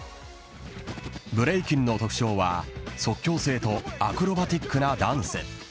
ブレイキンの特徴は即興性とアクロバティックなダンス。